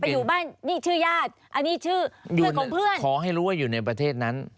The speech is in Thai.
อยู่บ้านนี่ชื่อญาติอันนี้ชื่อเพื่อนของเพื่อนขอให้รู้ว่าอยู่ในประเทศนั้น